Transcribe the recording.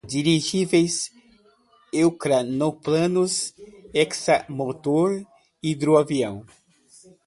Dirigíveis, ecranoplano, hexamotor, hidroavião